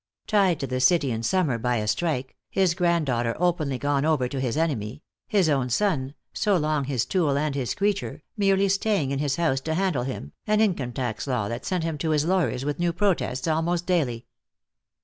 Tied to the city in summer by a strike, his granddaughter openly gone over to his enemy, his own son, so long his tool and his creature, merely staying in his house to handle him, an income tax law that sent him to his lawyers with new protests almost daily!